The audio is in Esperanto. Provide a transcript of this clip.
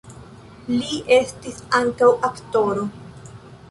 Li estis ankaŭ aktoro.